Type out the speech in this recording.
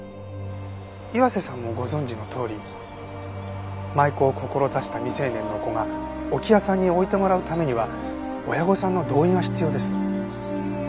岩瀬さんもご存じのとおり舞妓を志した未成年の子が置屋さんに置いてもらうためには親御さんの同意が必要です。